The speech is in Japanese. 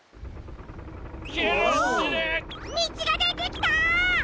みちがでてきたっ！